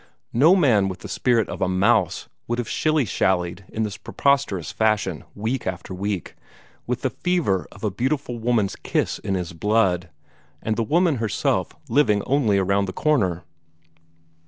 No man with the spirit of a mouse would have shilly shallied in this preposterous fashion, week after week, with the fever of a beautiful woman's kiss in his blood, and the woman herself living only round the corner.